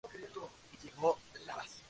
Al salir, se unió a los bolcheviques.